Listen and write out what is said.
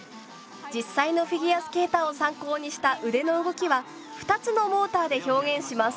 実際のフィギュアスケーターを参考にした腕の動きは２つのモーターで表現します。